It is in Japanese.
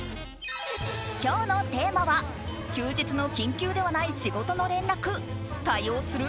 今日のテーマは休日の緊急ではない仕事の連絡対応する？